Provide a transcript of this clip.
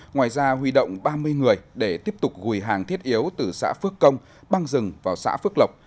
ngoài ra huy động ba mươi người để tiếp tục gùi hàng thiết yếu từ xã phước công băng rừng vào xã phước lộc